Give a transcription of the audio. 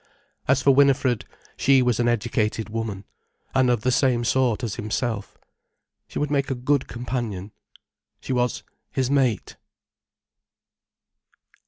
As for Winifred, she was an educated woman, and of the same sort as himself. She would make a good companion. She was his mate.